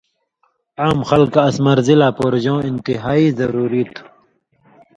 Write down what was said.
عام خلکہ اس مرضی لا پورژؤں انتہائی ضروری تُھو